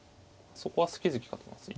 そこは好き好きかと思います。